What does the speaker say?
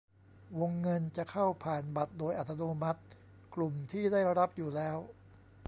วงเงินจะเข้าผ่านบัตรโดยอัตโนมัติ กลุ่มที่ได้รับอยู่แล้ว